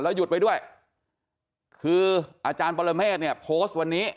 หยุดไว้ด้วยคืออาจารย์ปรเมฆเนี่ยโพสต์วันนี้